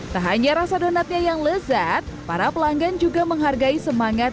tak hanya rasa donatnya yang lezat para pelanggan juga menghargai semangat